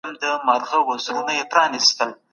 تاسي په خپلو کارونو کي د پوره چټکتیا خاوندان یاست.